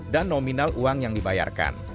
dan nominal uang yang dibayarkan